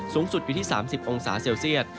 สูงสุดอยู่ที่๓๐องศาเซลเซียต